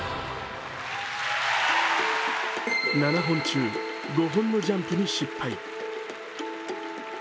７本中、５本のジャンプに失敗。